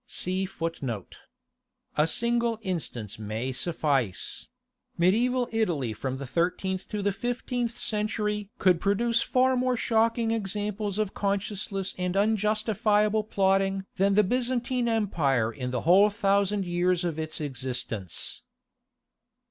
(19) A single instance may suffice—Mediæval Italy from the thirteenth to the fifteenth century could produce far more shocking examples of conscienceless and unjustifiable plotting than the Byzantine Empire in the whole thousand years of its existence.